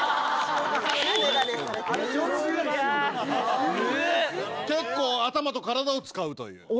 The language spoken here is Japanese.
結構頭と体を使うという。